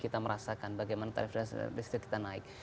kita merasakan bagaimana tarif listrik kita naik